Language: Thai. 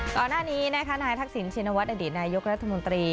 ก่อนหน้านี้นะคะนายทักษิณชินวัฒนอดีตนายกรัฐมนตรี